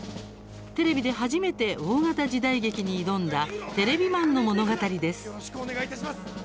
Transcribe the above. テレビで初めて大型時代劇に挑んだテレビマンの物語です。